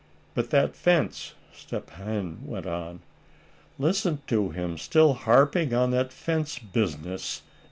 "But that fence?" Step Hen went on. "Listen to him still harping on that fence business!"